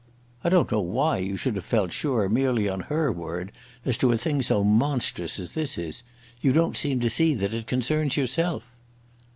"I don't know why you should have felt sure, merely on her word, as to a thing so monstrous as this is. You don't seem to see that it concerns yourself."